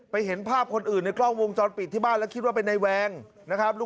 เห็นภาพคนอื่นในกล้องวงจรปิดที่บ้านแล้วคิดว่าเป็นในแวงนะครับ